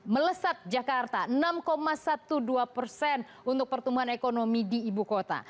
melesat jakarta enam dua belas persen untuk pertumbuhan ekonomi di ibu kota